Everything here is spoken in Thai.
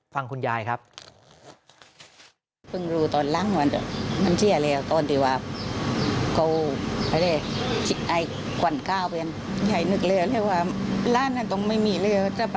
ฟังคุณยายครับ